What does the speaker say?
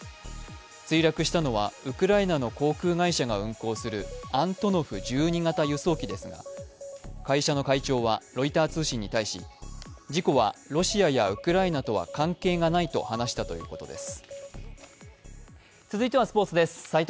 墜落したのはウクライナの航空会社が運航するアントノフ１２型輸送機ですが、会社の会長はロイター通信に対し、事故はロシアやウクライナとは関係がないと話したということです。